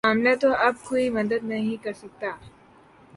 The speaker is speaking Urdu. معاملہ تو اب کوئی مدد نہیں کر سکتا